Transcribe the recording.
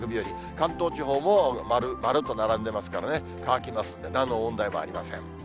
関東地方も丸、丸と並んでますからね、乾きますので、なんの問題もありません。